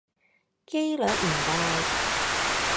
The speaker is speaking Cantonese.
機率唔大